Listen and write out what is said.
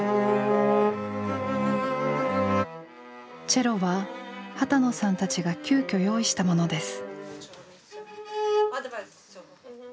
チェロは波多野さんたちが急きょ用意したものです。